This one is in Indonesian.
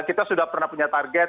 kita sudah pernah punya target